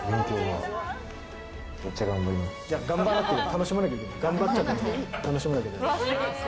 楽しまなきゃいけない。